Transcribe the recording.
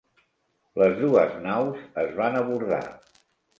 Les dues naus es van abordar.